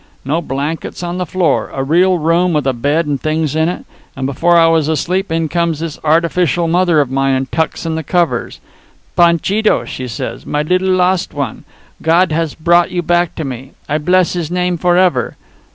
No blankets on the floor a real room, with a bed and things in it. And before I was asleep, in comes this artificial mother of mine and tucks in the covers. 'Panchito,' she says, 'my little lost one, God has brought you back to me. I bless His name forever.'